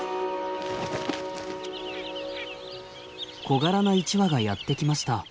小柄な１羽がやって来ました。